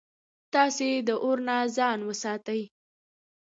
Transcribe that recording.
تاسي د اور نه ځان وساتئ